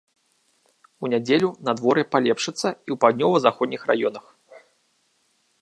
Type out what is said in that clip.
У нядзелю надвор'е палепшыцца і ў паўднёва-заходніх раёнах.